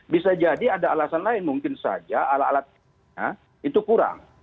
bisa jadi ada alasan lain mungkin saja alat alatnya itu kurang